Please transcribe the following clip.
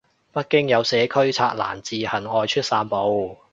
北京有社區拆欄自行外出散步